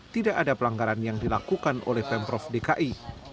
tidak ada pelanggaran yang dilakukan oleh pemprov dki